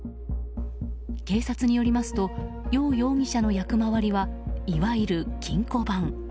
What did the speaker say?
警察によりますとヨウ容疑者の役回りはいわゆる金庫番。